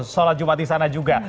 sholat jumat di sana juga